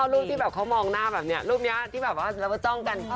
อ๋อรูปที่เขามองหน้าแบบนี้รูปนี้ที่เราจ้องกัน